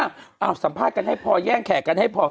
นี่ออกป่ะสัมภาษณ์กันให้พอแล้วแย่งแขกกันให้พอ